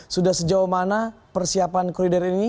sudah sejauh mana persiapan koridor ini